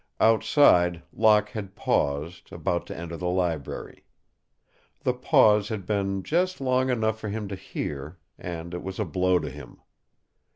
Outside, Locke had paused, about to enter the library. The pause had been just long enough for him to hear and it was a blow to him.